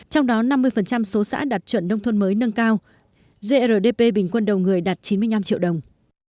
trong đó năm mươi số xã đạt chuẩn nông thôn mới nâng cao grdp bình quân đầu người đạt chín mươi năm triệu đồng